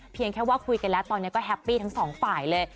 แค่ว่าคุยกันแล้วตอนนี้ก็แฮปปี้ทั้งสองฝ่ายเลย